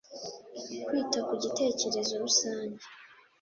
kwita ku gitekerezo rusange.